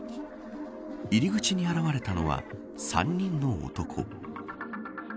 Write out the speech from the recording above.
入り口に現れたのは３人の男。